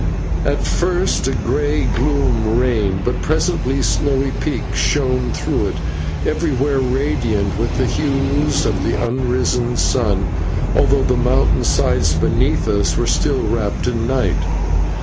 At first a grey gloom reigned, but presently snowy peaks shone through it, everywhere radiant with the hues of the unrisen sun, although the mountain sides beneath us were still wrapped in night.